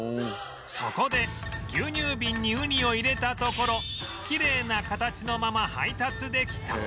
そこで牛乳瓶にウニを入れたところきれいな形のまま配達できた